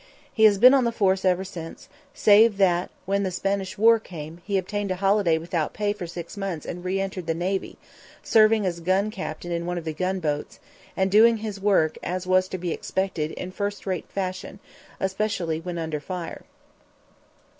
He has been on the force ever since, save that when the Spanish War came he obtained a holiday without pay for six months and reentered the navy, serving as gun captain in one of the gunboats, and doing his work, as was to be expected, in first rate fashion, especially when under fire.